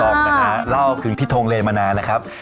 ต่อมานะคะเราคือพี่ทงเลมานานนะครับ